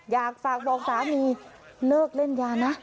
อยากฝากบอกสามีเลิกเล่นยานะ